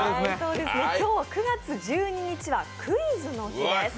今日９月１２日はクイズの日です。